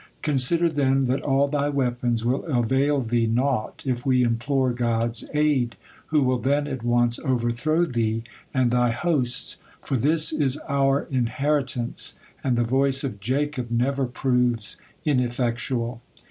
Consider, then, that all thy weapons will avail thee naught if we implore God's aid, who will then at once overthrow thee and thy hosts, for this is our inheritance, and 'the voice of Jacob' never proves ineffectual.